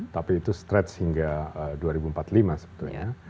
tapi itu stretch hingga dua ribu empat puluh lima sebetulnya